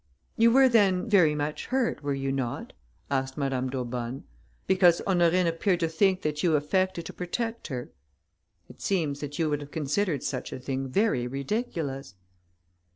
"You were, then, very much hurt, were you not?" asked Madame d'Aubonne, "because Honorine appeared to think that you affected to protect her? It seems that you would have considered such a thing very ridiculous."